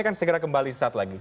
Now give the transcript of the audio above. kita segera kembali suatu lagi